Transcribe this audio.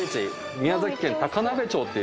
宮崎県高鍋町っていう